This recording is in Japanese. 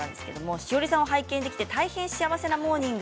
ＳＨＩＯＲＩさんを拝見できて大変幸せなモーニング。